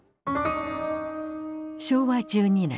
昭和１２年。